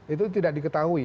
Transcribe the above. itu tidak diketahui